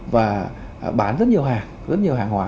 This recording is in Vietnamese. và bán rất nhiều hàng rất nhiều hàng hóa